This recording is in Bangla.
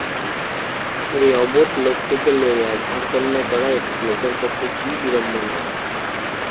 এই অবোধ লোকটিকে লইয়া ঘরকন্না করা স্ত্রীলোকের পক্ষে কী বিড়ম্বনা!